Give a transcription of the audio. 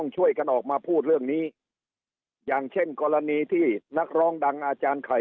ช่วยกันออกมาพูดเรื่องนี้อย่างเช่นกรณีที่นักร้องดังอาจารย์ไข่